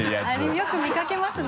よく見かけますね